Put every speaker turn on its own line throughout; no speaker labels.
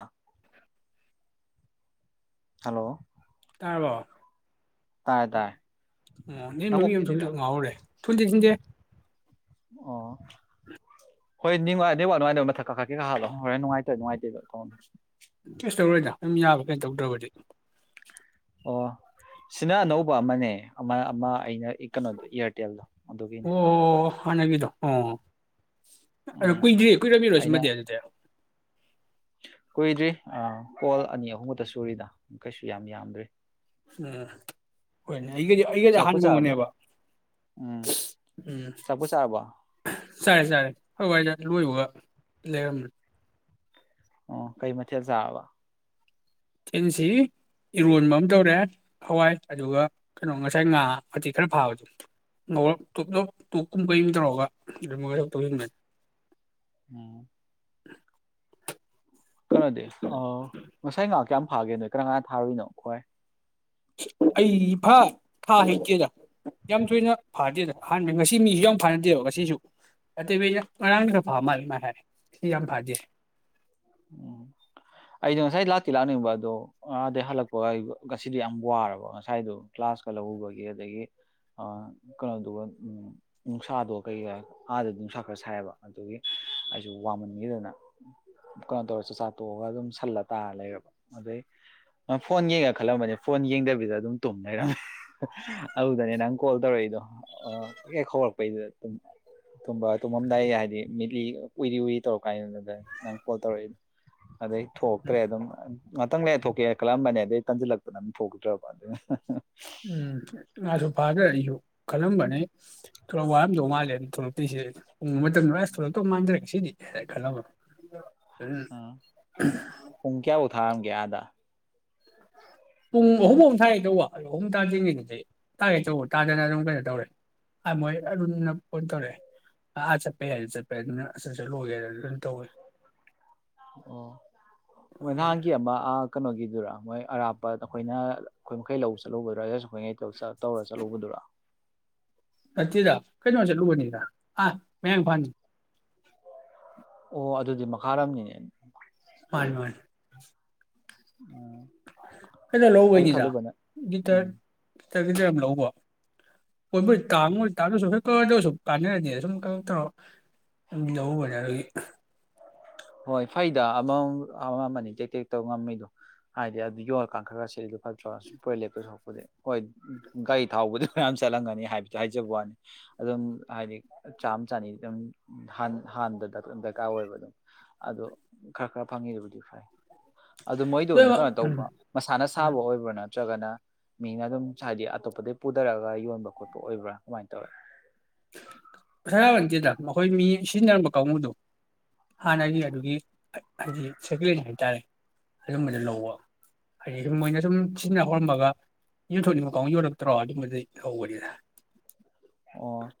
ꯑ ꯍꯜꯂꯣ
ꯇꯕꯔꯣ
ꯇꯥꯔꯦ ꯇꯥꯔꯦ
ꯎ ꯅ
ꯅꯀꯣꯛ
ꯃꯃꯤ ꯑꯃ ꯁꯗ
ꯊꯤꯜꯂꯤꯔꯥ
ꯉꯥꯎꯍꯧꯔꯦ ꯊꯣꯏꯗꯦ ꯆꯤꯟꯗꯦ
ꯑꯣ ꯍꯣꯏ ꯅꯤꯡ ꯅꯤꯡ ꯉꯥꯏꯇꯕ ꯃꯊꯛ ꯀꯥ ꯈꯛ ꯀꯩꯥ ꯍꯥꯜꯂꯣ ꯍꯣꯔꯦꯟ ꯅꯨꯡꯉꯥꯏꯇꯣꯏꯦ ꯅꯨꯡꯉꯥꯏꯇꯣꯏꯕ ꯀꯧ
ꯀꯁ ꯇꯧꯔꯣꯏꯗ ꯑꯗꯨꯝ ꯌꯥꯕ꯭ꯔ ꯀꯩꯅꯣ ꯇꯧꯗ꯭ꯔꯕꯗꯤ
ꯑꯣ ꯁꯤꯅ ꯑꯅꯧꯕ ꯑꯃꯅꯦ ꯑꯃ ꯑꯃ ꯑꯩꯅ ꯀꯩꯅꯣꯗꯣ ꯏꯌꯥꯔꯇꯦꯜꯗꯣ ꯑꯗꯨꯒꯤꯅꯦ
ꯍꯅꯒꯤꯗꯣ ꯑꯣ ꯑꯗꯣ
ꯎꯝ
ꯀꯨꯏꯗ꯭ꯔꯤ ꯀꯨꯏꯔꯝꯃꯤꯔꯣꯢ
ꯑꯩꯅ
ꯁꯤꯃꯗꯤ ꯑꯗꯨꯗꯤ
ꯀꯨꯏꯗ꯭ꯔꯤ ꯀꯣꯜ ꯑꯅꯤ ꯑꯍꯨꯝ ꯈꯛꯇ ꯁꯨꯔꯤꯗ ꯀꯩꯁꯨ ꯌꯥꯝ ꯌꯥꯝꯗ꯭ꯔꯤ
ꯎꯝ ꯍꯣꯏꯅꯦ ꯑꯩꯒꯗꯤ ꯑꯩꯒꯗꯤ
ꯆꯥꯛꯄꯨ
ꯑꯍꯥꯟꯕ
ꯆꯥꯔꯕ
ꯑꯃꯅꯦꯕ
ꯎꯝ
ꯎꯝ
ꯆꯥꯛꯄꯨ ꯆꯥꯔꯕ
ꯆꯔꯦ ꯆꯔꯦ ꯍꯋꯥꯏꯖꯥꯠ ꯂꯣꯏꯕ ꯂꯩꯔꯝꯅꯤ
ꯑꯣ ꯀꯩ ꯃꯊꯦꯜ ꯆꯥꯔꯕ
ꯆꯤꯟꯁꯤ ꯏꯔꯣꯟꯕ ꯑꯃ ꯇꯧꯔꯦ ꯍꯋꯥꯏ ꯑꯗꯨꯒ ꯀꯩꯅꯣ ꯉꯁꯥꯏ ꯉꯥ ꯑꯇꯤ ꯈꯔ ꯐꯥꯕꯗꯣ ꯉꯧꯔ ꯇꯣꯞ ꯇꯣꯞ ꯇꯣꯞꯀꯨꯝꯕꯩꯨꯝ ꯇꯧꯔꯒ ꯑꯗꯨꯃꯒ ꯇꯧꯁꯤꯟꯕꯅꯤ
ꯎꯝ ꯀꯩꯅꯣꯗꯤ ꯑ ꯉꯁꯥꯏ ꯉꯥꯏꯍꯥꯛ ꯀꯌꯥꯝ ꯐꯥꯒꯦ ꯅꯣꯏ ꯀꯔ ꯀꯥꯟꯗ ꯊꯥꯔꯨꯏꯅꯣ ꯈ꯭ꯋꯥꯏ
ꯑꯩ ꯐꯥ ꯊꯥ ꯍꯩꯇꯦꯗ ꯌꯥꯝ ꯇꯣꯏꯅ ꯐꯥꯗꯦꯗ ꯑꯍꯥꯟꯕ ꯉꯁꯤ ꯃꯤꯁꯨ ꯌꯥꯝ ꯐꯅꯗꯦꯕ ꯉꯁꯤꯁꯨ ꯑꯇꯩꯃꯩꯅ ꯉꯔꯥꯡ ꯈꯔ ꯐꯥ ꯃꯥꯜꯜꯂꯦ ꯑꯗꯨꯃꯥꯏ ꯍꯥꯏ ꯉꯁꯤꯗꯤ ꯌꯥꯝ ꯐꯥꯗꯦ
ꯎꯝ ꯑꯩꯗꯤꯣ ꯉꯁꯥꯏ ꯂꯥꯛꯇꯤ ꯂꯥꯛꯅꯤꯡꯕ ꯑꯗꯣ ꯑꯥꯗꯒꯤꯩ ꯍꯜꯂꯛꯄ ꯉꯁꯤꯗꯤ ꯌꯥꯝ ꯋꯥꯔꯕ ꯉꯁꯥꯏꯗꯣ ꯀ꯭ꯂ꯭ꯂꯥꯁꯀ ꯂꯧꯎꯕꯒꯤ ꯑꯗꯒꯤ ꯀꯩꯅꯣꯗꯨꯒ ꯅꯨꯡꯁꯥꯗꯣ ꯀꯩ ꯑꯥꯗꯗꯤ ꯅꯨꯡꯁꯥ ꯈꯔ ꯁꯥꯏꯑꯕ ꯑꯗꯨꯒꯤ ꯑꯩꯁꯨ ꯋꯥꯃꯟꯈꯤꯗꯅ ꯀꯩꯅꯣ ꯇꯧꯔ ꯆꯥꯆꯥꯥ ꯇꯣꯛꯑꯒ ꯑꯗꯨꯝ ꯁꯜꯂ ꯇꯥꯔ ꯂꯩꯔꯕ ꯑꯗꯨꯗꯩ ꯅꯪ ꯐꯣꯟ ꯌꯦꯡꯉ ꯈꯜꯂꯝꯕꯅꯤ ꯐꯣꯟ ꯌꯦꯡꯗꯕꯤꯗ ꯑꯗꯨꯝ ꯇꯨꯝ ꯂꯩꯔꯝꯃꯦ ꯑꯗꯨꯗꯅꯦ ꯅꯪ ꯀꯣꯜ ꯇꯧꯔꯛꯏꯗꯣ ꯍꯦꯛ ꯍꯧꯔꯛꯄꯩꯗꯨꯨꯝꯕ ꯇꯨꯝꯃꯝꯗꯥꯏꯒꯤ ꯍꯥꯏꯗꯤ ꯃꯤꯠꯂꯤ ꯎꯏꯔꯤ ꯎꯏꯔꯤ ꯇꯧꯔ ꯀꯥꯟꯗꯨꯗꯨꯗ ꯀꯣꯜ ꯇꯧꯔꯛꯏ ꯑꯗꯩ
ꯎꯝ
ꯊꯣꯛꯇ꯭ꯔꯦ ꯑꯗꯨꯝ ꯉꯥꯛꯇꯪ ꯂꯩꯔ ꯊꯣꯛꯀꯦ ꯈꯜꯂꯝꯕꯅꯦ ꯑꯗꯩ ꯇꯟꯁꯤꯜꯂꯛꯇꯅ ꯑꯗꯨꯝ ꯊꯣꯛꯗ꯭ꯔꯕ ꯑꯗꯨꯅ
ꯎꯝ ꯉꯥꯁꯨ ꯐꯥꯗ꯭ꯔ ꯑꯩꯁꯨ ꯈꯜꯂꯝꯕꯅꯦ ꯊꯂꯞ ꯋꯥꯔꯝꯗꯧ ꯃꯥꯜꯂꯦ ꯊꯣꯛꯂꯛꯇꯁꯤꯦ ꯎ ꯃꯇꯝꯗꯨ ꯑꯁ ꯊꯣꯛꯂꯛꯇꯧ ꯃꯥꯟꯗꯔꯦ ꯉꯁꯤꯗꯤ ꯀꯂ
ꯄ ꯀꯌꯥꯕꯨ ꯊꯥꯒꯦ ꯑꯗ
ꯄꯨꯡ ꯑꯍꯨꯝ ꯑꯍꯨꯝ ꯊꯥꯒꯦ ꯇꯧꯕ ꯑꯗꯨ ꯑꯍꯨꯝ ꯇꯥꯗ꯭ꯔꯤꯉꯩꯗꯨꯗꯤ ꯇꯥꯒꯦ ꯇꯧꯕ ꯇꯥꯗꯅ ꯑꯗꯨꯝ ꯀꯩꯅꯣ ꯇꯧꯔꯦ ꯑ ꯃꯣꯏ ꯑꯔꯨꯟ ꯅ ꯐꯣꯟ ꯇꯧꯔꯛꯑꯦ ꯑꯥ ꯆꯠꯄꯩ ꯑꯗꯨ ꯆꯠꯄꯩ ꯌꯥꯏ ꯑꯗꯨꯅ ꯑꯁ [unintelligible]
ꯑꯣ ꯃ ꯅꯒꯤꯑꯃ ꯀꯩꯅꯣꯒꯤꯗꯨꯔꯥ ꯃꯣꯏ ꯑꯔꯥꯞꯄ ꯑꯩꯈꯣꯏꯅ ꯑꯩꯈꯣꯏ ꯃꯈꯩ ꯂꯧꯕ ꯆꯠꯂꯨꯕꯗꯨꯔꯥ [unintelligible] ꯇꯧꯔ ꯆꯠꯂꯨꯕꯗꯨꯔꯥ
ꯅꯠꯇꯦꯗ ꯀꯩꯅꯣ ꯆꯠꯂꯨꯕꯅꯤꯗ ꯑꯥ ꯃꯌꯥꯡ ꯏꯝꯐꯥꯟ
ꯑꯣ ꯑꯗꯨꯗꯤ ꯃꯈꯥꯔꯅꯤꯅꯦ
ꯃꯥ ꯃꯥꯅꯤ
ꯎꯝ
ꯀꯩꯅ
ꯑꯩꯅ
ꯂꯧꯕꯩꯅꯤꯗ
ꯈꯜꯂꯨꯕꯅ ꯎꯝ
ꯒꯤꯇꯔ ꯕꯤꯗ ꯌꯥꯝ ꯂꯧꯕ ꯍꯣꯏꯃꯣꯏ ꯇꯥꯡꯉꯣꯏ ꯇꯥꯡꯗ꯭ꯔꯁꯨ ꯈꯔ ꯀꯔꯗ ꯑꯣꯢꯁꯨ ꯀꯥꯟꯅꯔꯗꯤꯅ ꯁꯨꯝ ꯀꯛ ꯀꯛ ꯂꯧꯔꯨꯕꯅꯦ ꯑꯗꯨꯒꯤ
ꯍꯣꯏ ꯐꯩꯗ ꯑꯃ ꯑꯃ ꯇꯦꯛ ꯇꯦꯛꯛꯇꯧ ꯉꯝꯃꯤꯗꯣ ꯍꯥꯏꯗꯤ ꯑꯗꯨ ꯌꯣꯜꯂꯀꯥꯟ ꯈꯔ ꯈꯔ ꯁꯦꯠꯂꯤꯗꯣ ꯐꯠꯇ꯭ꯔ ꯁꯨꯝ ꯄꯨꯔꯦ ꯂꯦꯞꯄꯁꯨꯣꯛꯄꯗꯤ ꯍꯣꯏ ꯒꯥꯔꯤ ꯊꯥꯎꯕꯨꯗꯤ ꯃꯌꯥꯝ ꯆꯠꯂꯝꯒꯅꯤ ꯍꯥꯏꯕꯗꯨ ꯍꯥꯏꯖꯕ ꯋꯥꯅꯤ ꯑꯗꯨꯝ ꯍꯥꯏꯗꯤ ꯆꯥꯝꯃ ꯆꯥꯅꯤ ꯑꯗꯨꯝ ꯍꯥꯟꯕ ꯗꯔꯀꯥꯔ ꯑꯣꯏꯕ ꯑꯗꯨꯝ ꯑꯗꯣ ꯈꯔ ꯈꯔ ꯐꯪꯉꯤꯕꯨꯗꯤ ꯐꯩ ꯑꯗꯨ ꯃꯣꯏꯗꯝ
ꯂꯣꯏꯕ
ꯀꯩꯅꯣ
ꯎꯝ
ꯇꯧꯕ꯭ꯔꯣ ꯃꯁꯥꯅ ꯁꯥꯕ
ꯎꯝ
ꯑꯣꯏꯕ꯭ꯔꯥ ꯅꯠꯇꯔ ꯅꯠꯇ꯭ꯔꯒꯅ ꯃꯤꯅ ꯑꯗꯨꯝ ꯍꯥꯏꯗꯤ ꯑꯇꯣꯞꯄꯗꯩ ꯄꯨꯊꯔꯛꯑꯒ ꯌꯣꯟꯕ ꯈꯣꯠꯄ ꯑꯣꯏꯕ꯭ꯔꯥ ꯀꯃꯥꯢ ꯇꯧꯋꯤ꯫
ꯄꯩꯁꯥ ꯌꯥꯔꯗꯦꯗ ꯃꯈꯈꯣꯏ ꯃꯤ ꯁꯤꯖꯤꯟꯅꯔꯝꯕ ꯀꯥꯡꯕꯨꯨꯗꯣ ꯍꯥꯟꯅꯒꯤ ꯑꯗꯨꯒꯤ ꯍꯥꯏꯗꯤ ꯁꯦꯀꯂꯦꯟ ꯍꯥꯏꯇꯥꯔꯦ ꯑꯗꯨꯝꯕꯗ ꯂꯧꯕ ꯍꯥꯏꯗꯤ ꯁ ꯃꯣꯏꯅ ꯁꯨꯝ ꯁꯤꯖꯤꯟꯅ ꯍꯧꯔꯝꯃꯒ ꯌꯣꯟꯊꯣꯛꯅꯤꯡꯕꯀꯥꯎ ꯌꯣꯜꯂꯛꯇ꯭ꯔꯣ ꯑꯗꯨꯝꯕꯗꯤ ꯂꯧꯕꯅꯤꯅ
ꯑꯣ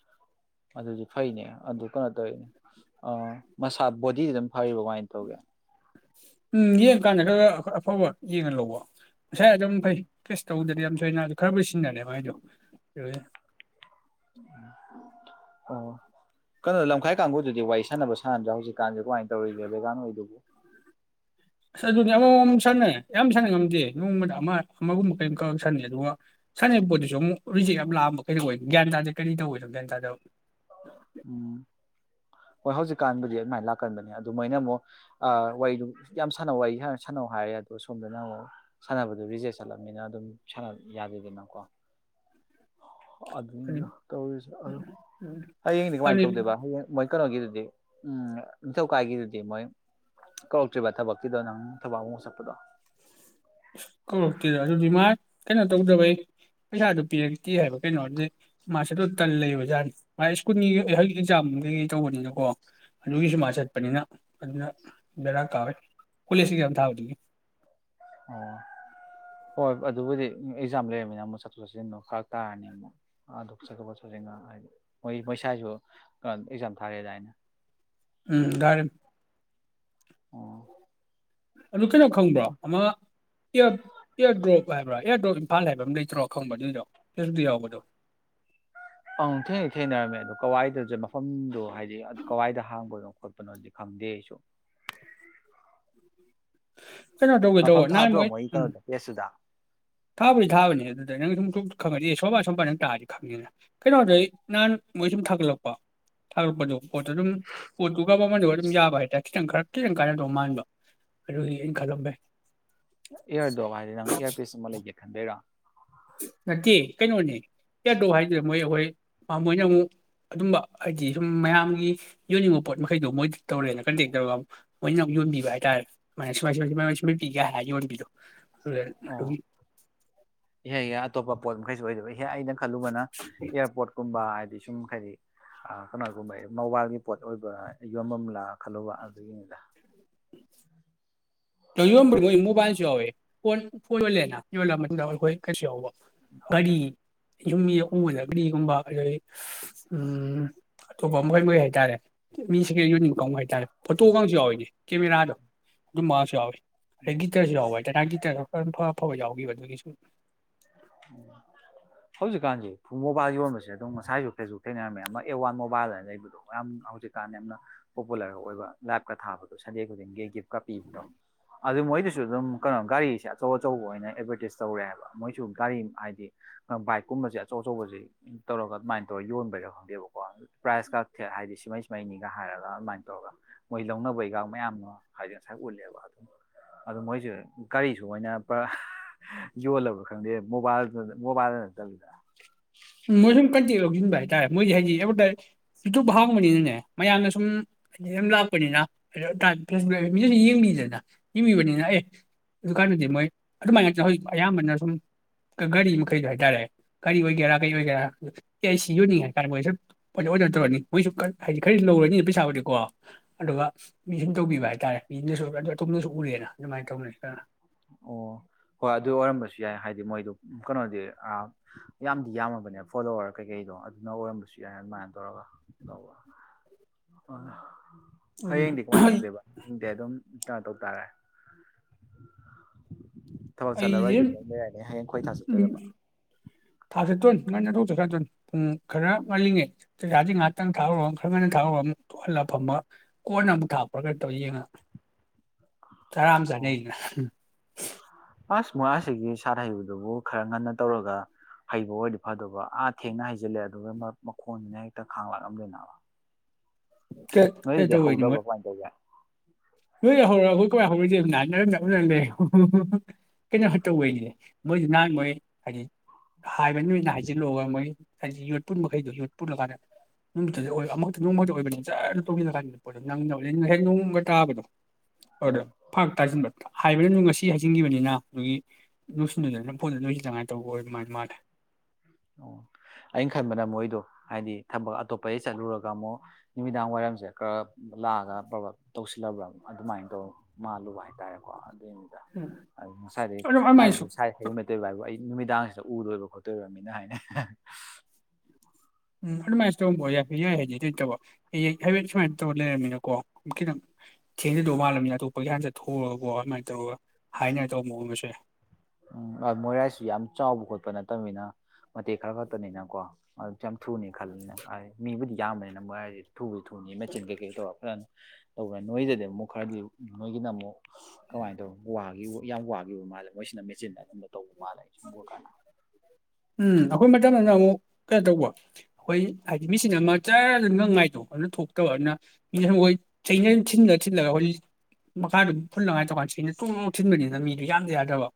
ꯑꯗꯨꯗꯤ ꯐꯩꯅꯦ ꯑꯗꯨ ꯀꯩꯅꯣ ꯇꯧꯋꯦ ꯑ ꯃꯁꯥ ꯕꯣꯗꯤꯗꯤ ꯑꯗꯨꯝ ꯐꯔꯤꯕꯃꯥꯏꯅ ꯇꯧꯒꯦ
ꯎꯝ ꯌꯦꯡꯀꯥꯟꯗ ꯈꯔ ꯈꯔ ꯑꯐꯕ ꯌꯦꯡꯉꯥ ꯂꯧꯕ ꯉꯁꯥꯏ ꯑꯗꯨꯝ ꯐꯩ ꯇꯦꯁ ꯇꯧꯗꯗꯤ ꯌꯥꯝ ꯊꯣꯏꯅ ꯈꯔꯕꯨꯗꯤ ꯁꯤꯟꯅꯅꯦꯕ ꯃꯥꯢꯗꯣ
ꯎ ꯑꯣ ꯀꯩꯅꯣ ꯂꯝꯈꯥꯏ ꯀꯥꯡꯕꯨꯗꯨꯗꯤ ꯋꯥꯔꯤ ꯁꯥꯟꯅꯕ ꯁꯥꯟꯅꯗ꯭ꯔꯥ ꯍꯧꯖꯤꯛꯀꯥꯟ ꯀꯃꯥꯏꯅ ꯇꯧꯔꯤꯒꯦ ꯕꯦꯒꯥꯟ ꯍꯣꯏꯗꯨꯕꯨ
ꯑꯁ ꯑꯗꯨꯅꯤ ꯑꯃꯃꯃꯛ ꯁꯥꯟꯅꯩ ꯌꯥꯝ ꯁꯥꯟꯅ ꯉꯝꯗꯦ ꯅꯣꯡꯃꯗ ꯑꯃ ꯑꯃꯒꯨꯝꯕ ꯀꯔꯤꯝ ꯈꯛ ꯁꯥꯟꯅꯩ ꯑꯗꯨꯒ ꯁꯥꯟꯅꯔꯤꯕ ꯄꯣꯠꯇꯨꯁꯨ ꯑꯃꯨꯛ ꯔꯤꯖꯦꯛ ꯌꯥꯝ ꯂꯥꯛꯑꯝꯕ ꯀꯩꯗꯧ ꯑꯣꯏ ꯒ꯭ꯌꯥꯟ ꯇꯥꯗꯦ ꯀꯔꯤ ꯇꯧꯋꯤꯅꯣ ꯒ꯭ꯌꯥꯟ ꯇꯥꯗꯕ
ꯎꯝ ꯍꯣꯏ ꯍꯧꯖꯤꯛꯀꯥꯟꯕꯨꯗꯤ ꯑꯗꯨꯃꯥꯏꯅ ꯂꯥꯛꯀꯟꯗꯅꯦ ꯑꯗꯨ ꯃꯣꯏꯅ ꯑꯃꯨꯛ ꯋꯥꯔꯤꯗꯨ ꯌꯥꯝ ꯁꯥꯟꯅꯧ ꯋꯥꯔꯤ ꯁꯥꯟꯅꯧ ꯍꯥꯏꯔꯦ ꯑꯗꯣ ꯁꯣꯝꯗꯅ ꯑꯃꯨꯛ ꯁꯥꯟꯅꯕꯗꯨ ꯔꯤꯖꯦꯛ ꯆꯠꯂꯝꯅꯤꯅ ꯑꯗꯨꯝ ꯁꯥꯟꯅ ꯌꯥꯗꯦꯗꯅꯀꯣ
ꯑꯗꯨ
ꯑꯗꯨꯅꯤꯗꯣ ꯇꯧꯔꯤꯁꯦ ꯑ ꯍꯌꯦꯡꯗꯤ ꯀꯃꯥꯏꯅ
ꯑꯗꯨꯗꯤ
ꯇꯧꯗꯦꯕ ꯍꯌꯦꯡꯣꯏ ꯀꯩꯅꯣꯒꯤꯗꯨꯗꯤ ꯎꯝ ꯅꯤꯡꯊꯧꯀꯥꯏꯒꯤꯗꯨꯗꯤ ꯃꯣꯏ ꯀꯧꯔꯛꯇ꯭ꯔꯤꯕ ꯊꯕꯛꯀꯤꯗꯣ ꯅꯪ ꯊꯕꯛ ꯑꯃꯨꯛ ꯆꯠꯄꯗꯣ
ꯀꯧꯔꯛꯇꯦꯗ ꯑꯗꯨꯗꯤ ꯃꯥ ꯀꯩꯅꯣ ꯇꯧꯗꯕꯩ ꯄꯩꯁꯥꯗꯨ ꯄꯤꯔꯛꯇꯦ ꯍꯥꯏꯕ ꯀꯩꯅꯣ ꯑꯗꯨꯗꯤ ꯃꯥ ꯆꯠꯇꯩ ꯇꯟ ꯂꯩꯕ ꯖꯥꯠꯅꯤ ꯃꯥ ꯁ꯭ꯀꯨꯜꯒꯤ ꯍꯧꯖꯤꯛ ꯑꯦꯛꯖꯥꯝ ꯀꯩꯀꯩ ꯇꯧꯕꯅꯤꯅꯀꯣ ꯑꯗꯨꯒꯤꯁꯨ ꯃꯥ ꯆꯠꯄꯅꯤꯅ ꯑꯗꯨꯅ ꯕꯦꯔꯥ ꯀꯥꯕꯩ ꯀꯣꯂꯦꯖ ꯑꯦꯛꯖꯥꯝ ꯊꯥꯕꯗꯨꯒꯤ
ꯑꯣ ꯍꯣꯏ ꯑꯗꯨꯕꯨꯗꯤ ꯑꯦꯛꯖꯥꯝ ꯂꯩꯔꯝꯃꯤꯅ ꯑꯃꯨꯛ ꯆꯠꯊꯣꯛ ꯆꯠꯁꯤꯟꯗꯣ ꯐꯔꯛ ꯇꯥꯔꯅꯤ ꯑꯃꯨꯛ ꯑꯗꯨ ꯆꯠꯊ ꯆꯠ ꯆꯠꯁꯤꯟ ꯍꯥꯏꯗꯤ ꯃꯣꯏ ꯃꯣꯢ ꯁꯥꯏꯁꯨ ꯑꯦꯛꯖꯥꯝ ꯊꯥꯔꯑꯦ ꯗꯥꯏꯅꯦ
ꯎꯝ ꯒꯥꯔꯤ
ꯑꯣ
ꯑꯗꯨ ꯀꯩꯅꯣ ꯈꯪꯕ꯭ꯔꯣ ꯑꯃ ꯏꯌꯥꯔ ꯢꯌꯥꯔꯗ꯭ꯔꯣꯞ ꯍꯥꯏꯕ꯭ꯔꯥ ꯏꯌꯥꯔꯗ꯭ꯔꯣꯞ ꯏꯝꯐꯥꯜ ꯍꯥꯏꯕ ꯑꯃ ꯂꯩꯇ꯭ꯔꯣ ꯈꯪꯕ꯭ꯔ ꯑꯗꯨꯏꯗꯣ ꯐꯦꯁꯇꯕꯨꯛꯇ ꯌꯥꯎꯕꯗꯣ
ꯑꯪ ꯊꯦꯡꯗꯤ ꯊꯦꯡꯅꯔꯝꯃꯦ ꯑꯗꯣ ꯀꯋꯥꯏꯗꯁꯦ ꯃꯐꯝꯗꯣ ꯍꯥꯏꯗꯤ ꯀꯋꯥꯏꯗ ꯍꯥꯡꯕꯅꯣ ꯈꯣꯠꯄꯅꯣꯗꯤ ꯈꯪꯗꯦ ꯑꯩꯁꯨ
ꯀꯩꯅꯣ ꯇꯧꯒꯦ ꯇꯧꯕ
ꯃꯐꯝ
ꯅꯍꯥꯟ
ꯊꯥꯗ꯭ꯔꯣ
ꯃꯣꯏ ꯎꯝ
ꯀꯩꯅꯣꯗ ꯄꯦꯁꯇꯨꯗ
ꯊꯥꯕꯨꯗꯤ ꯊꯥꯕꯅꯤ ꯑꯗꯨꯗ ꯅꯪ ꯁꯨꯝ ꯈꯪꯉꯗꯤ ꯑꯦ ꯁꯣꯝꯕꯥ ꯁꯣꯝ ꯅꯪ ꯇꯥꯔꯗꯤ ꯈꯪꯉꯦꯅ ꯀꯩꯅꯣꯧꯗꯩ ꯅꯍꯥꯟ ꯃꯣꯏ ꯁꯨꯝ ꯊꯥꯒꯠꯂꯛꯄ ꯊꯥꯒꯠꯛꯄꯗꯣ ꯄꯣꯠꯇꯣ ꯑꯗꯨꯝ ꯄꯣꯠꯇꯨꯒꯕꯃꯟꯗꯨꯒ ꯑꯗꯨꯝ ꯌꯥꯕ ꯍꯥꯏꯇꯥꯔꯦ ꯈꯤꯇꯪ ꯈꯔ ꯈꯤꯇꯪ ꯀꯥꯟꯅꯗꯧ ꯃꯥꯟꯕ ꯑꯗꯨꯗꯤ ꯑꯩꯅ ꯈꯜꯂꯝꯃꯦ
ꯏꯌꯥꯔꯗ꯭ꯔꯣꯞ ꯍꯥꯏꯗꯤ ꯅꯪ ꯏꯌꯥꯔꯄꯤꯁ ꯑꯃ ꯂꯩꯒꯦ ꯈꯟꯕꯩꯔꯣ
ꯅꯠꯇꯦ ꯀꯩꯅꯣꯅꯦ ꯌꯥꯗ꯭ꯔꯣ ꯍꯥꯏꯗꯨꯅ ꯃꯣꯏ ꯑꯩꯈꯣꯏ ꯃꯣꯏꯅ ꯑꯃꯨꯛ ꯑꯗꯨꯝꯕ ꯍꯥꯏꯗꯤ ꯁꯨꯝ ꯃꯌꯥꯝꯒꯤ ꯌꯣꯟꯅꯤꯡꯕ ꯄꯣꯠ ꯃꯈꯩꯗꯣ ꯃꯣꯏꯗ ꯇꯧꯔꯦꯅ ꯀꯟꯇꯦꯛ ꯇꯧꯔꯒꯨ ꯃꯣꯏꯅ ꯑꯃꯨꯛ ꯌꯣꯟꯕꯤꯕ ꯍꯥꯏꯇꯥꯔꯦ ꯁꯃꯥꯏꯅ ꯁꯨꯃꯥꯏ ꯁꯨꯝꯥꯏ ꯁꯨꯃꯥꯏ ꯁꯨꯝꯍꯠꯄꯤꯒꯦ ꯍꯥꯏꯅ ꯌꯣꯟꯕꯤꯗꯣ
ꯑꯣ ꯏꯍꯦ ꯏꯍꯦ
[unintelligible]
ꯑꯇꯣꯞꯄ ꯄꯣꯠ ꯃꯈꯩꯁꯨ ꯑꯣꯏꯗꯤ ꯑꯣꯢ ꯍꯦ ꯑꯩꯅ ꯈꯜꯂꯨꯕꯅ ꯑꯦꯌꯥꯔꯄꯣꯔꯠꯀꯨꯝꯕ ꯁꯨꯝ ꯍꯥꯏꯗꯤ ꯀꯩꯅꯣꯒꯨꯝꯕ ꯃꯣꯕꯥꯏꯜꯒꯤ ꯄꯣꯠ ꯑꯣꯏꯕ ꯌꯣꯟꯚꯝ ꯂꯥ ꯈꯜꯂꯨꯕ ꯑꯗꯨꯒꯤꯅꯤꯗ
ꯌꯣꯟꯕ ꯃꯣꯕꯥꯏꯜꯁꯨ ꯌꯥꯎꯋꯦ ꯐꯣꯟ ꯐꯣꯟ ꯌꯣꯜꯂꯦꯅ ꯌꯣꯜꯂ ꯃꯇꯨꯡꯗ ꯑꯩꯈꯣꯏ ꯀꯩꯁꯨ ꯌꯥꯎꯕ ꯒꯥꯔꯤ ꯌꯨꯝ ꯃꯤꯗ ꯎꯕꯗ ꯒꯥꯔꯤꯒꯨꯝꯕ ꯑꯗꯒꯤ ꯎꯝ ꯑꯇꯣꯞꯄ ꯃꯈꯩ ꯃꯈꯩ ꯍꯥꯏꯇꯥꯔꯦ ꯃꯤꯁꯤ ꯌꯣꯟꯅꯤꯡꯕ ꯀꯃ ꯍꯥꯏꯇꯥꯔꯦ ꯐꯣꯇꯣꯒꯁꯨ ꯌꯥꯎꯋꯅꯦ ꯀꯦꯃꯦꯔꯥꯗꯣ [unintelligible] [inaudible] ꯑꯩ ꯒꯤꯇꯔꯁꯨ ꯌꯥꯎꯕ ꯍꯥꯢꯇꯥꯔꯦ ꯒꯤꯇꯔ [unintelligible] ꯑꯐꯕ ꯌꯥꯎꯈꯤꯕ ꯑꯗꯨꯒꯤ ꯁꯨꯝ
ꯍꯧꯖꯤꯛꯀꯥꯟꯁꯦ ꯃꯣꯕꯥꯏꯜ ꯌꯣꯟꯕꯁꯦ ꯑꯗꯨꯝ ꯉꯁꯥꯏꯁꯨ ꯐꯦꯁꯕꯨꯛ ꯊꯦꯡꯅꯔꯝꯃꯦ ꯑꯃ ꯑꯦ ꯋꯥꯟ ꯃꯣꯕꯥꯏꯜꯅ ꯂꯩꯕꯗꯣ ꯌꯥꯝ ꯍꯧꯖꯤꯛꯀꯥꯟꯗ ꯌꯥꯝꯅ ꯄꯣꯄꯨꯂꯔ ꯑꯣꯏꯕ ꯂꯥꯏꯞꯀ ꯊꯥꯕꯗꯣ ꯁꯟꯗꯦ ꯈꯨꯗꯤꯡꯒꯤ ꯒꯤꯐ ꯀꯄꯤꯕꯗꯣ ꯑꯗꯨ ꯃꯣꯏꯗꯨ ꯣꯏꯁꯨ ꯑꯗꯨꯝ ꯀꯩꯅꯣ ꯒꯥꯔꯤꯁꯦ ꯑꯆꯧ ꯑꯆꯧꯕ ꯑꯣꯏꯅ ꯑꯦꯗꯚꯔꯇꯤꯁ ꯇꯧꯔꯦꯕ ꯃꯣꯏꯁꯨ ꯒꯥꯔꯤ ꯍꯥꯏꯗꯤ ꯕꯥꯏꯛꯀꯨꯝꯕꯁꯦ ꯑꯆꯧ ꯑꯆꯧꯕꯁꯦ ꯇꯧꯔꯒ ꯑꯗꯨꯃꯥꯏꯅ ꯇꯧꯔꯒ ꯌꯣꯟꯕꯩꯔꯥ ꯈꯪꯗꯦꯕꯀꯣ ꯄ꯭ꯔꯥꯏꯖꯀ ꯊꯦꯠ ꯍꯥꯏꯗꯤ ꯁꯤꯃꯩ ꯁꯤꯃꯩꯅꯤꯒ ꯍꯥꯏꯔꯒ ꯑꯗꯨꯃꯥꯏꯅ ꯇꯧꯔꯒ ꯃꯣꯏ ꯂꯧꯅꯕꯩꯒ ꯃꯌꯥꯝ ꯃꯥ ꯍꯥꯏꯗꯤ ꯉꯁꯥꯏ ꯎꯠꯂꯦꯕ ꯑꯗꯨꯝ ꯑꯗꯨ ꯃꯣꯏꯁꯨ ꯒꯥꯔꯤꯁꯨ ꯃꯣꯏꯅꯔ ꯌꯣꯜꯂꯕ꯭ꯔꯥ ꯈꯪꯗꯦ ꯃꯣꯕꯥꯏꯜ ꯃꯣꯕꯥꯢꯜ ꯅꯠꯇꯕꯤꯗ
ꯃꯣꯢ ꯁꯨꯝ ꯀꯟꯇꯦꯛ ꯂꯧ ꯟꯕ ꯍꯥꯏꯇꯥꯔꯦ ꯃꯣꯏꯗꯤ ꯍꯥꯏꯗꯤ ꯑꯦꯗꯚꯔꯇ ꯌꯨꯇꯌꯨꯞ ꯍꯥꯎꯕꯅꯤꯅꯅꯦ ꯃꯌꯥꯝꯅ ꯁꯨꯝ ꯍꯥꯏꯗꯤ ꯑꯗꯨ ꯂꯥꯛꯄꯅꯤꯅ ꯐꯦꯁꯕꯨꯛ ꯃꯤꯅ ꯌꯦꯡꯕꯤꯗꯅ ꯌꯦꯡꯕꯤꯕꯅꯤꯅ ꯑꯦ ꯑꯗꯨꯀꯥꯟꯗꯗꯤ ꯃꯣꯏ ꯑꯗꯨꯃꯥꯏꯅꯅ ꯍꯧꯖꯤꯛ ꯑꯌꯥꯝꯕꯅ ꯁꯨꯝ ꯒꯥꯔꯤ ꯃꯈꯩꯗꯣ ꯍꯥꯏꯇꯥꯔꯦ ꯒꯥꯔꯤ ꯑꯣꯏꯒꯦꯔꯥ ꯀꯩ ꯑꯣꯏꯒꯦꯔꯥ ꯑꯦ ꯑꯩ ꯁꯤ ꯌꯣꯟꯅꯤꯡꯉꯦ ꯍꯥꯏꯇꯥꯔꯦ ꯃꯣꯏꯁꯨ ꯑꯣꯔꯗꯔ ꯇꯧꯔꯅꯤ ꯃꯣꯏꯁꯨ ꯍꯥꯏꯗꯤ ꯈꯔꯗꯤ ꯂꯧꯔꯅꯤꯅ ꯄꯩꯁꯥꯕꯨꯗꯤꯀꯣ ꯑꯗꯨꯒ ꯃꯤ ꯁꯨꯝ ꯇꯧꯕꯤꯕ ꯍꯥꯏꯇꯥꯔꯦ ꯃꯤꯅꯁꯨ ꯑꯗꯨ ꯑꯇꯣꯝꯗꯁꯨ ꯎꯔꯦꯅ ꯑꯗꯨꯃꯥꯏꯅ ꯇꯧꯅꯅ
ꯑꯣ ꯍꯣꯏ ꯑꯗꯨ ꯑꯣꯏꯔꯝꯕꯁꯨ ꯌꯥꯏ ꯍꯥꯏꯗꯤ ꯃꯣꯏꯗ ꯀꯩꯅꯣꯗꯤ ꯌꯥꯝꯗꯤ ꯌꯥꯝꯃꯕꯅꯦ ꯐꯣꯂꯣꯋꯔ ꯀꯩꯀꯩꯗꯣ ꯑꯗꯨꯅ ꯑꯣꯏꯔꯝꯕꯁꯨ ꯌꯥꯏ ꯑꯗꯨꯃꯥꯏꯅ ꯇꯧꯔꯒ ꯇꯧꯕ
ꯎꯝ
ꯍꯌꯦꯡꯗꯤ ꯀꯃꯥꯏꯅ ꯇꯧꯗꯦꯕ ꯍꯌꯦꯡꯗꯤ ꯑꯗꯨꯝ ꯆ ꯇꯧ ꯇꯥꯔꯦ ꯊꯕꯛ ꯆꯠꯂꯔꯣꯏ
ꯑꯩꯁꯦ
ꯌꯨꯝ ꯌ ꯂꯩꯔꯅꯦ ꯍꯌꯦꯡ ꯈꯣꯏ ꯊꯥ ꯆꯠꯇꯣꯏꯔꯕ
ꯊꯥ ꯆꯠꯇꯣꯏꯅ ꯉꯟꯅ ꯆꯠꯠꯇꯣꯏꯅꯤ ꯄꯨꯡ ꯈꯔ ꯉꯜꯂꯤꯉꯩ ꯆꯥꯛꯖꯥꯁꯤ ꯉꯥꯏꯍꯥꯛꯇꯪ ꯊꯥꯔꯨꯔ ꯈꯔ ꯉꯟꯅ ꯊꯥꯔꯨꯔ ꯑꯃꯨꯛ ꯊꯣꯛꯣꯛꯍꯜꯂꯒ ꯐꯕ ꯀꯣꯟꯅ ꯑꯃꯨꯛ ꯊꯥꯛꯄ꯭ꯔꯥ ꯈꯔ ꯇꯧ ꯌꯦꯡꯉ ꯑꯔꯝ ꯆꯅꯦ
ꯑꯣ ꯑꯁ ꯃꯣꯏꯥꯁꯤꯒꯤ ꯁꯥꯠ ꯍꯩꯕꯗꯨꯕꯨ ꯈꯔ ꯉꯟꯅ ꯇꯧꯔꯒ ꯍꯩꯕ ꯑꯣꯏꯔꯗꯤ ꯐꯗꯕ ꯑꯥ ꯊꯦꯡꯅ ꯍꯩꯖꯤꯜꯂꯦ ꯑꯗꯨꯒ ꯃꯈꯣꯟꯗꯨꯅ ꯍꯦꯛꯇ ꯈꯥꯡ ꯂꯥꯛꯂꯝꯗꯣꯏꯅꯕ
ꯀ ꯀꯗꯧꯕꯣꯏꯅꯤ ꯃ
ꯀꯃꯥꯏꯅ ꯇꯧꯒꯦ
ꯅꯣꯏ ꯌꯥ ꯍꯧꯔ ꯑꯩꯈꯣꯏ ꯀꯋꯥꯏ ꯍꯧꯧꯔꯁꯦꯔꯪ ꯂꯩꯦ ꯀꯩꯅꯣ ꯇꯧꯕꯩꯅꯤꯅꯦ ꯃꯣꯏꯗꯤ ꯅꯍꯥꯟ ꯃꯣꯏ ꯍꯥꯏꯗꯤ ꯍꯥꯏꯕꯅꯤꯣꯏꯅ ꯍꯥꯏꯖꯤꯜꯂꯛꯑꯣꯒ ꯃꯣꯏ ꯍꯥꯏꯗꯤ ꯌꯣꯠ ꯄꯨꯟꯕꯈꯩꯗꯣ ꯌꯣꯠ ꯄꯨꯜꯂꯀꯥꯟꯗ ꯅꯨꯃꯤꯠꯇꯨꯗ ꯑꯃꯨꯛꯇ ꯅꯣꯡꯃꯗ ꯑꯣꯏꯕꯅꯤꯅ ꯆꯖꯅ ꯇꯣꯡꯁꯤꯜꯂꯀꯥꯟꯗ ꯄꯣꯠꯇꯣ ꯅꯪ ꯍꯦꯛ ꯅꯣꯡꯃꯒ ꯇꯥꯕꯗꯣ ꯑꯗꯣ
ꯎꯝ
ꯐꯥꯛ ꯇꯥꯁꯤꯟꯕ ꯍꯥꯏꯕꯗꯨ ꯅꯨꯡꯉ ꯁꯤ ꯍꯩꯖꯤꯟꯈꯤꯕꯅꯤꯅ ꯑꯗꯨꯒꯤ ꯂꯣꯏꯁꯤꯟꯗꯨꯗꯅ ꯐꯣꯟꯗ ꯅꯣꯏꯁꯤ ꯇꯉꯥꯏꯅ ꯇꯧꯕ ꯑꯣꯏ ꯑꯗꯨꯃꯥꯏꯅ ꯃꯥꯜꯂꯦ
ꯑꯣ ꯑꯩꯅ ꯈꯟꯕꯅ ꯃꯣꯏꯗꯣ ꯍꯥꯏꯗꯤ ꯊꯕꯛ ꯑꯇꯣꯞꯄꯗꯒꯤ ꯆꯠꯂꯨꯔꯒ ꯑꯃꯨꯛ ꯅꯨꯃꯤꯗꯥꯡ ꯋꯥꯏꯔꯝꯁꯦ ꯈꯔ ꯂꯥꯛꯑꯒ ꯄꯕꯥ ꯇꯧꯁꯤꯜꯂꯕ꯭ꯔꯥ ꯑꯗꯨꯃꯥꯏꯅ ꯇꯧ ꯃꯥꯜꯂꯨꯕ ꯍꯥꯏꯇꯥꯔꯦꯀꯣ ꯑꯗꯨꯏꯅꯤꯗ
ꯑꯗꯨ ꯑꯃꯥꯏꯁꯨ
ꯈꯠꯇꯣꯏꯕ ꯍꯥꯏꯕꯨ ꯑꯩ ꯅꯨꯃꯤꯗꯥꯡꯁꯤꯗ ꯎꯗꯣꯏꯕ ꯈꯣꯠꯇꯣꯏꯕꯅꯤ ꯍꯥꯏꯅꯦ
ꯎꯝ ꯎ ꯃꯥꯁꯝꯕꯣ ꯌꯥꯦ ꯌꯥꯏ ꯍꯥꯏꯗꯤ ꯑꯗꯨꯩꯇꯕ ꯍꯌꯦꯡ ꯍꯥꯏꯐꯦꯠ ꯁꯨꯃꯥꯏꯅ ꯇꯧꯔ ꯂꯩꯔꯝꯃꯤꯅꯀꯣ ꯈꯤꯇꯪ ꯊꯦꯡꯅꯗꯧ ꯃꯥꯜꯂꯝꯅꯤꯅ ꯑꯇꯣꯞꯄꯒꯤ ꯍꯥꯟꯅ ꯆꯠꯊꯣꯛꯑꯒꯀꯣ ꯑꯗꯨꯃꯥꯏꯅ ꯇꯧꯔꯒ ꯍꯥꯏꯅ ꯇꯧꯕ ꯃꯒ ꯑꯃꯁꯁꯦ
ꯎꯝ ꯃꯣꯏꯔꯥꯡꯁꯨ ꯌꯥꯝ ꯆꯥꯎꯕ ꯈꯣꯠꯄ ꯅꯠꯇꯕꯅꯤꯅ ꯃꯇꯦꯛ ꯈꯔ ꯈꯛꯇꯅꯤꯅꯀꯣ ꯑꯗꯨ ꯊ꯭ꯔꯨꯅꯤ ꯈꯜꯅ ꯃꯤꯕꯨꯗꯤ ꯌꯥꯝꯕꯅꯤꯅ ꯃꯉꯥꯏꯔꯤꯁꯤꯗꯤ ꯊꯨꯕꯤ ꯊꯨꯅꯤ ꯃꯆꯤꯟ ꯀꯩꯀꯩ ꯇꯧꯛꯄ꯭ꯔꯅꯤ ꯇꯧꯕ ꯅꯣꯏꯗꯗꯤ ꯑꯃꯨꯛ ꯈꯔꯗꯤ ꯅꯣꯏꯒꯤꯅ ꯑꯃꯨꯛ ꯀꯃꯥꯏꯅ ꯇꯧ ꯋꯥ ꯌꯥꯝ ꯋꯥꯈꯤꯕ ꯃꯥꯜꯂꯦ ꯃꯣꯏꯅ ꯃꯦꯆꯤꯟ ꯑꯗꯨ ꯇ ꯃꯥꯂ ꯆꯒꯅ
ꯎꯝ ꯑꯩꯈꯣꯏ ꯃꯇꯝ ꯑꯃꯅ ꯑꯃꯨꯛ ꯀꯩꯅꯣ ꯇꯧꯕ ꯑꯩꯈꯣꯏ ꯍꯥꯏꯗꯤ ꯃꯤꯁꯤꯅ ꯑꯃ ꯆ ꯉꯪꯉꯥꯏꯗꯣ ꯑꯗꯨꯅ ꯊꯣꯛꯇꯕ ꯑꯗꯨꯅ ꯃꯤꯁꯤꯅ ꯃꯣꯏ ꯆꯩꯅ ꯊꯤꯂ ꯊꯤꯜꯂꯒ ꯍꯧꯖꯤꯛ ꯃꯈꯥꯗꯨꯝ ꯐꯨꯜꯂꯉꯥꯏ ꯇꯧꯀꯥꯟꯗ ꯆꯅ ꯆꯣꯡꯧ ꯊꯤꯟꯕꯅꯤꯅ ꯃꯤꯗꯣ ꯌꯥꯝꯗ ꯌꯥꯗꯕ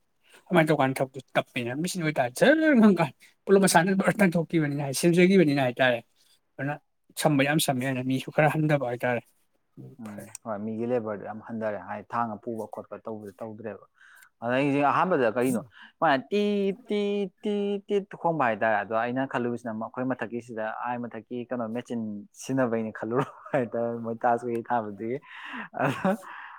ꯀꯃꯥꯏꯅ ꯇꯧꯀꯥꯟ ꯊꯕꯛꯇꯨ ꯇꯞꯄꯅ ꯃꯁꯤꯅ ꯑꯣꯏꯇꯥꯔꯗꯤ ꯖꯔ ꯈꯪ ꯀꯥꯟ ꯄꯨꯂꯞ ꯃꯁꯥꯅ ꯕꯔꯇꯪ ꯊꯣꯛꯈꯤꯕꯅꯤꯅ ꯍꯥꯏ ꯁꯦꯝꯖꯈꯤꯕꯅꯤ ꯍꯥꯏꯇꯥꯔꯦ ꯑꯗꯨꯅ ꯁꯝꯕ ꯌꯥꯝ ꯁꯝꯃꯦ ꯑꯗꯨꯅ ꯃꯤꯁꯨ ꯈꯔ ꯍꯟꯊꯕ ꯍꯥꯏꯇꯥꯔꯦ
ꯎꯝ ꯍꯣꯏ ꯃꯤꯒꯤ ꯂꯦꯕꯔꯗꯨ ꯌꯥꯝ ꯍꯟꯊꯔꯦ ꯍꯥꯏ ꯊꯥꯡꯅ ꯄꯨꯕ ꯈꯣꯠꯄ ꯇꯧꯕꯗꯤ ꯇꯧꯗ꯭ꯔꯦꯕ ꯑꯗ ꯑꯩꯁꯦ ꯑꯍꯥꯟꯕ ꯀꯅꯣ ꯇ ꯇ ꯇꯤ ꯇꯦ ꯇꯨ ꯈꯣꯡꯕ ꯍꯥꯏꯇꯥꯔꯦ ꯑꯗꯣ ꯑꯩꯅ ꯈꯜꯂꯨꯁꯤꯅ ꯃꯈꯈꯣꯏ ꯃꯊꯛꯀꯤꯁꯤꯗ ꯑꯥꯏ ꯃꯊꯛꯀꯤ ꯀꯩꯅꯣ ꯃꯦꯆꯤꯟ ꯁꯤꯖꯤꯟꯅꯕꯩꯅ ꯈꯜꯂꯨꯔꯣ ꯍ ꯇ ꯃꯣꯏ ꯆꯥꯁꯒ ꯍꯥꯏꯕꯗꯤ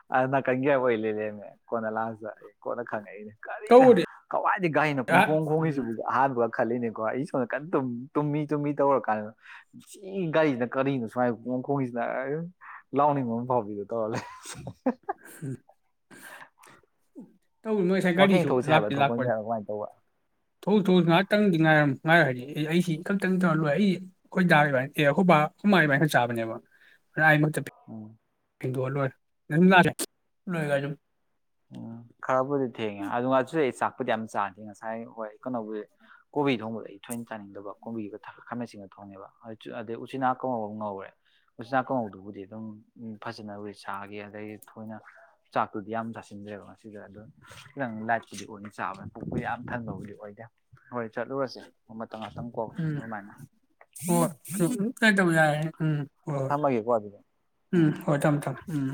ꯑ ꯀꯪꯒꯤꯌꯥꯕ ꯑꯣꯏ ꯂꯩ ꯂꯩꯝꯃꯦ ꯀꯣꯟꯅ ꯂꯥꯁꯑꯖ ꯀꯣꯟꯅ ꯈꯪꯉꯛꯏꯅꯦ ꯀꯔꯤꯅ
ꯇꯧꯕꯗꯤ
ꯀꯋꯥꯏꯗꯤ ꯒꯥꯥꯏꯅ
ꯑ
ꯄꯨꯡꯈꯣꯡ
ꯎꯝ
ꯈꯣꯡꯉꯁꯤꯕꯨ ꯑꯍꯥꯟꯕ ꯈꯜꯂꯤꯅꯦꯀꯣ ꯑꯩ ꯁꯣꯝꯗ ꯀꯟꯅ ꯇꯨꯝꯃꯤ ꯇꯨꯝꯃꯤ ꯇꯧꯔ ꯀꯥꯟꯗ ꯁꯤ ꯒꯥꯔꯤꯁꯤꯅ ꯀꯔꯤꯅꯣ ꯁꯨꯃꯥꯏ ꯈꯣꯡ ꯈꯣꯡꯁꯤꯅ ꯂꯥꯎꯅꯤꯡꯕ ꯑꯃ ꯐꯥꯎꯕꯤꯗꯣ ꯇꯧꯔꯂꯦ
ꯎꯝ ꯇꯧ ꯅꯣꯏ ꯁꯥꯏ ꯀ
ꯋꯥꯀꯤꯡ
ꯆ
ꯊꯣꯛꯎꯁꯦ ꯍꯥꯏꯕ꯭ꯔꯥ
ꯂꯥꯛꯄꯤ
ꯊꯣꯛꯄ
ꯂꯥꯛꯄ
ꯌꯥꯕ꯭ꯔꯥ ꯀꯃꯥꯏꯅ ꯇꯧꯕ
ꯊꯣꯛꯣꯡ ꯊꯣꯛꯁꯨ ꯉꯥꯏꯍꯥꯛꯇꯪꯗꯤ ꯉꯥꯏꯔ ꯉꯥꯏꯔꯣꯏ ꯍꯥꯏꯗꯤ ꯑꯩꯁꯤ ꯈꯛꯇꯪ ꯇꯧꯔ ꯂꯣꯏ ꯑꯩꯁꯤ ꯑꯩꯈꯣꯏꯗꯥ ꯑꯦ ꯑꯩꯈꯣꯏ ꯍꯃꯥꯏ ꯑꯗꯨꯥꯏꯅ ꯆꯥꯕꯅꯦꯕ
ꯎꯝ
ꯍꯤꯟꯗꯣꯛꯑ ꯂꯣꯏꯔꯦ ꯅ ꯂꯦ ꯂꯣꯏ ꯁꯨꯝ
ꯎꯝ ꯈꯔꯕꯨꯗꯤ ꯊꯦꯡꯉꯦ ꯑꯗꯨꯒꯗ ꯑꯩ ꯆꯥꯛ ꯊꯛꯄꯗꯤ ꯌꯥꯝ ꯆꯥꯗꯦ ꯉꯁꯥꯏ ꯍꯣꯏ ꯀꯩꯅꯣꯕꯨꯁ ꯀꯣꯕꯤ ꯊꯣꯡꯕꯗ ꯑꯩ ꯊꯣꯏꯅ ꯆꯥꯅꯤꯡꯗꯕ ꯀꯣꯕꯤꯒ ꯈꯥꯃꯦꯟꯁꯤꯡꯒ ꯊꯣꯡꯉꯦꯕ ꯑꯗꯩ ꯎꯆꯤꯅꯥ ꯀꯉꯧ ꯉꯧꯔꯦ ꯎꯆꯤꯅꯥ ꯀꯥꯡꯉꯧꯗꯨꯕꯨꯗꯤ ꯑꯗꯨꯝ ꯐꯖꯅꯕꯨ ꯁꯥꯈꯤ ꯑꯗꯗꯒꯤ ꯊꯣꯏꯅ ꯆꯥꯛꯇꯨꯗꯤ ꯌꯥꯝ ꯆꯥꯁꯤ ꯁꯤꯗꯦꯕ ꯉꯁꯤꯗ ꯑꯗꯨ ꯅꯪ ꯂꯥꯏꯠꯄꯨꯗꯤ ꯑꯣꯏꯅ ꯑꯣꯏꯅ ꯆꯥꯕꯅꯦ ꯄꯨꯄꯨ ꯌꯥꯝ ꯊꯟꯕꯕꯨꯗꯤ ꯑꯣꯏꯗꯦ ꯍꯣꯏ ꯆꯠꯂꯨꯔꯁꯦ ꯃꯇꯝꯇꯪ ꯉꯥꯛꯇꯪ ꯀꯣ
ꯎꯝ
ꯑꯗꯨꯃꯥꯏꯅ
ꯇꯧꯕ ꯌꯥꯔꯦ ꯎꯝ ꯍꯣꯏ ꯍꯣꯏ
ꯊꯝꯃꯒꯦꯀꯣ ꯑꯗꯨꯗꯤ
ꯎꯝ ꯍꯣꯏ ꯊꯝ ꯊꯝ ꯎꯝ